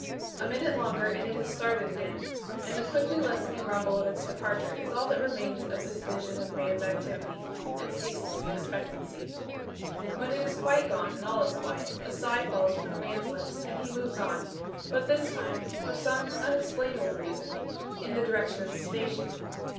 A minute longer and it has started again, and the quickly lessening rumble of its departure is all that remains of this vision of man's activity and ceaseless expectancy. When it is quite gone and all is quiet, a sigh falls from the man's lips and he moves on, but this time, for some unexplainable reason, in the direction of the station.